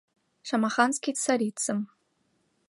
Шамаханский царицым...»